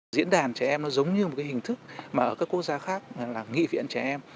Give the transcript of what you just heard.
diễn đàn trẻ em nó giống như một cái hình thức mà ở các quốc gia khác là nghị viện trẻ em